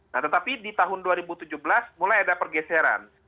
nah tetapi di tahun dua ribu tujuh belas mulai ada pergeseran